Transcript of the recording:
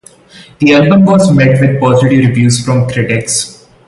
The album was met with positive reviews from critics.